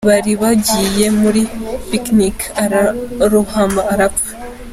Bari bagiye muri picnic ararohama arapfa.